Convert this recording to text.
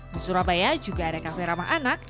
di surabaya juga ada kafe ramah anak